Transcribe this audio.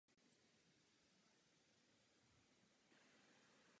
Zastupoval kurii městskou a obchodních komor v Dalmácii.